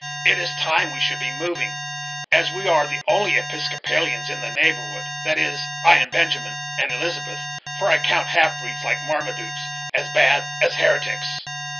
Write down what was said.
It is time we should be moving, as we are the only Episcopalians in the neighborhood; that is, I and Benjamin, and Elizabeth; for I count half breeds, like Marmaduke as bad as heretics."